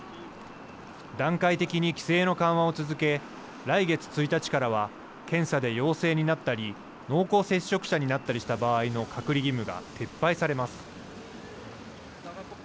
段階的に規制の緩和を続け来月１日からは検査で陽性になったり濃厚接触者になったりした場合の隔離義務が撤廃されます。